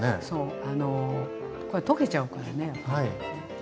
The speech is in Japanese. そうあのこれ溶けちゃうからね。